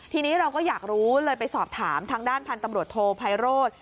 ทีนี้เราก็อยากรู้เลยไปสอบถามทางด้านพันธุ์ตำรวจโทไพโรธ